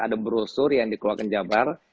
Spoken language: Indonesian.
ada brosur yang dikeluarkan jabar